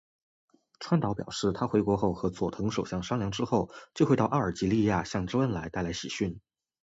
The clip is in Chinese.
川岛表示他回国后和佐藤首相商量之后就会到阿尔及利亚向周恩来带来喜讯。